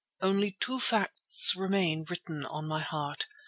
Only two facts remain written on my heart.